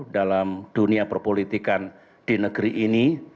dalam dunia perpolitikan di negeri ini